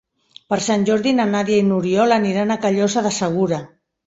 Per Sant Jordi na Nàdia i n'Oriol aniran a Callosa de Segura.